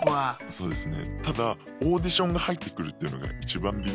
そうですね。